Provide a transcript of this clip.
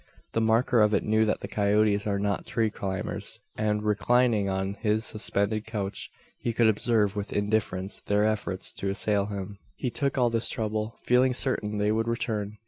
The maker of it knew that the coyotes are not tree climbers; and, reclining on his suspended couch, he could observe with indifference their efforts to assail him. He took all this trouble, feeling certain they would return.